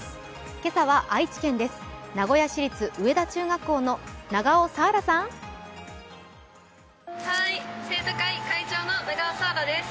今朝は愛知県です。